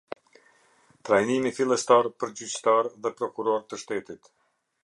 Trajnimi fillestar për gjyqtarë dhe prokurorë të shtetit.